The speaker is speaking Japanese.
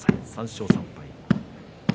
３勝３敗。